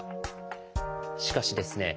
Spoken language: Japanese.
しかしですね